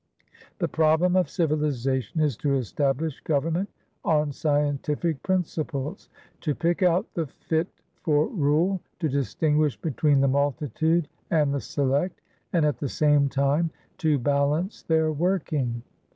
The problem of civilisation is to establish government on scientific principlesto pick out the fit for ruleto distinguish between the Multitude and the Select, and at the same time to balance their working.